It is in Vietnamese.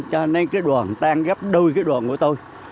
cho nên cái đoàn tan gấp đôi cái đoàn của tôi